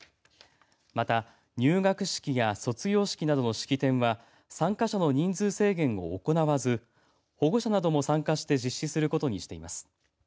また入学式や卒業式などの式典は参加者の人数制限を行わず保護者なども参加して実施することにしています。